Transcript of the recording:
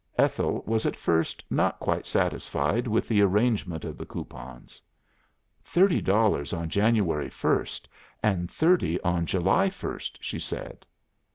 Ethel was at first not quite satisfied with the arrangement of the coupons. 'Thirty dollars on January first, and thirty on July first,' she said.